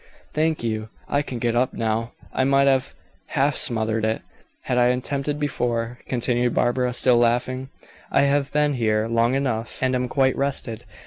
"Thank you. I can get up now. I might have half smothered it, had I attempted before," continued Barbara, still laughing. "I have been here long enough, and am quite rested.